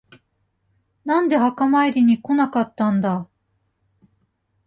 なんで墓参りに来なかったんだ。